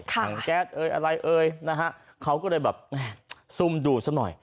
หลังแก๊สอะไรนะเขาก็เลยแบบซุ่มดูดซะหน่อย